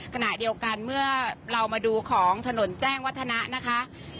ขณะเดียวกันเมื่อเรามาดูของถนนแจ้งวัฒนะนะคะ